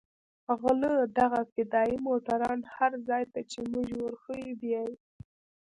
غله دغه فدايي موټران هر ځاى ته چې موږ وروښيو بيايي.